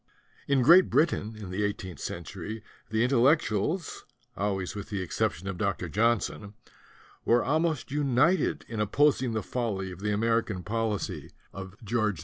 In Great Britain in the eighteenth century the Intellectuals always with the exception of Dr. Johnson, were almost united in opposing the folly of the American policy of George III.